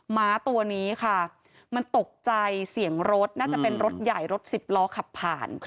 ม้าตัวนี้ค่ะมันตกใจเสียงรถน่าจะเป็นรถใหญ่รถสิบล้อขับผ่าน